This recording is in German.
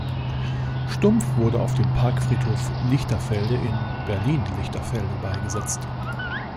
Stumpf wurde auf dem Parkfriedhof Lichterfelde in Berlin-Lichterfelde beigesetzt.